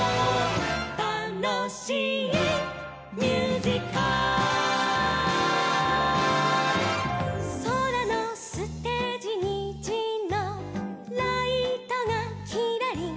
「たのしいミュージカル」「そらのステージにじのライトがきらりん」